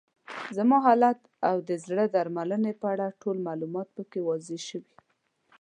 زما حالت او د زړې درملنې په اړه ټول معلومات پکې واضح شوي.